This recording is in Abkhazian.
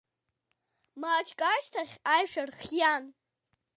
Маҷк ашьҭахь аишәа рхиан.